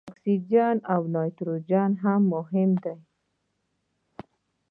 اکسیجن او نایتروجن هم مهم دي.